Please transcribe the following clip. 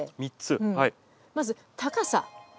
まず「高さ」。